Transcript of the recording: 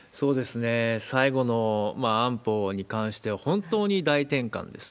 最後の安保に関しては、本当に大転換です。